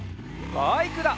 バイクだ！